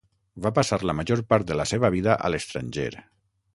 Va passar la major part de la seva vida a l'estranger.